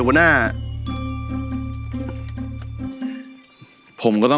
แบบนี้ก็ได้